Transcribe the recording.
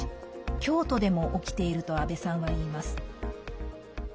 京都でも起きていると阿部さんは言います。